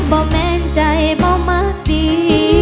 แม่นใจบ่มากดี